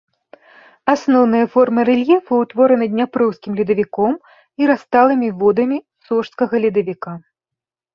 Асноўныя формы рэльефу ўтвораны дняпроўскім ледавіком і расталымі водамі сожскага ледавіка.